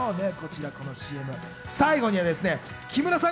このＣＭ、最後には木村さん